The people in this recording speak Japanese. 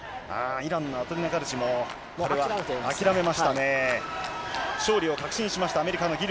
イランのアトリナガルチも諦めましたね。